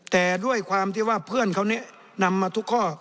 แต่ด้วยความที่ว่าเพื่อนเขาเนี่ยนำมาทุกข้อ